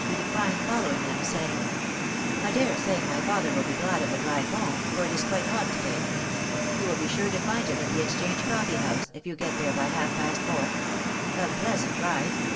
he de clined following them, saying, —" I dare say my father will be glad . of the drive home, for it is quite hot to day. — You will be sure so find him at Jtbe Exchange Coffee house if you get there by half past four. ... A pleasant ride I